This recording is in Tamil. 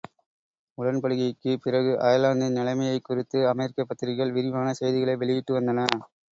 உடன்படிக்கைக்குப் பிறகு அயர்லாந்தின் நிலைமையைக் குறித்து அமெரிக்கப் பத்திரிகைகள் விரிவான செய்திகளை வெளியிட்டு வந்தன.